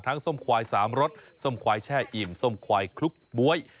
ส้มควาย๓รสส้มควายแช่อิ่มส้มควายคลุกบ๊วย